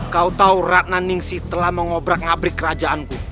kau tahu ratna ningsih telah mengobrak ngabrik kerajaanku